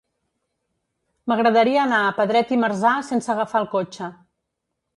M'agradaria anar a Pedret i Marzà sense agafar el cotxe.